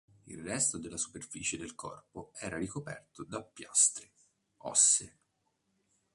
Il resto della superficie del corpo era ricoperto da piastre ossee.